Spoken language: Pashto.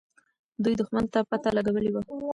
دوی دښمن ته پته لګولې وه.